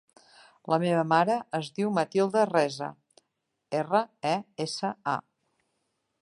La meva mare es diu Matilda Resa: erra, e, essa, a.